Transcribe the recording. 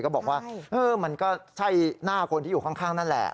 ก็บอกว่ามันก็ใช่หน้าคนที่อยู่ข้างนั่นแหละ